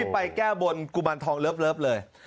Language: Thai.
ไปแก้บนกุมารทองเลิฟเลย